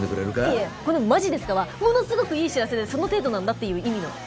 いやいやこの「マジですか？」はものすごくいい知らせでその程度なんだっていう意味の。